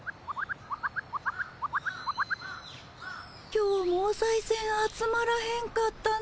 今日もおさいせん集まらへんかったね